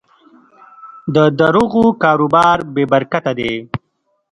د دروغو کاروبار بېبرکته دی.